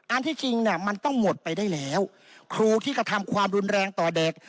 ที่จริงเนี่ยมันต้องหมดไปได้แล้วครูที่กระทำความรุนแรงต่อเด็ก